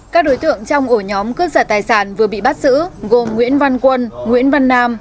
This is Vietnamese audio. các đối tượng trong ổ nhóm cướp giật tài sản vừa bị bắt giữ gồm nguyễn văn quân nguyễn văn nam